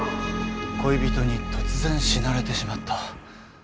恋人に突然死なれてしまった。